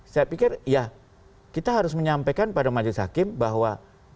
saya pikir ya kita harus menyampaikan pada majelis hakim bahwa